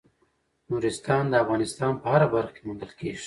نورستان د افغانستان په هره برخه کې موندل کېږي.